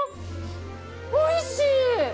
おいしい！